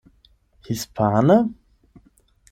Hispane?